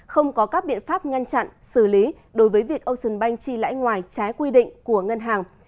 không có các biện pháp ngăn chặn xử lý đối với việc ocean bank chi lãi ngoài trái quy định của ngân hàng